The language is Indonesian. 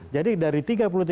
jadi dari tiga puluh tiga persen